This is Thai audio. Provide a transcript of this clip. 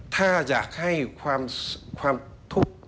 ถ้าอยากให้ความทุกข์